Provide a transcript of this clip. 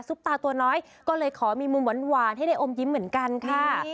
ตาตัวน้อยก็เลยขอมีมุมหวานให้ได้อมยิ้มเหมือนกันค่ะ